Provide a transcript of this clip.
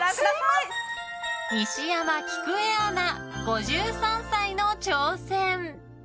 西山喜久恵アナ、５３歳の挑戦。